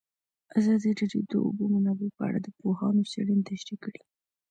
ازادي راډیو د د اوبو منابع په اړه د پوهانو څېړنې تشریح کړې.